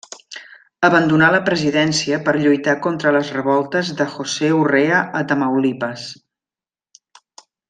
Abandonà la presidència per lluitar contra les revoltes de José Urrea a Tamaulipas.